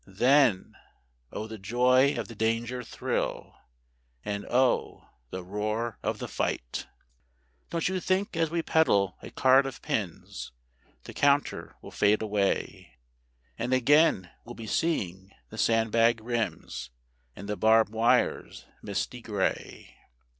Then ... oh, the joy of the danger thrill, and oh, the roar of the fight! Don't you think as we peddle a card of pins the counter will fade away, And again we'll be seeing the sand bag rims, and the barb wire's misty grey?